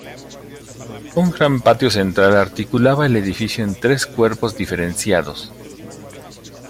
Un gran patio central articulaba el edificio en tres cuerpos diferenciados.